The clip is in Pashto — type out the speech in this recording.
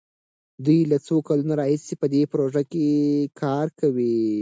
دوی له څو کلونو راهيسې په دې پروژه کار کوي.